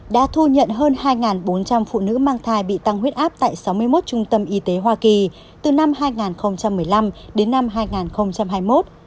đã thu nhận hơn hai bốn trăm linh phụ nữ mang thai bị tăng huyết áp tại sáu mươi một trung tâm y tế hoa kỳ từ năm hai nghìn một mươi năm đến năm hai nghìn hai mươi một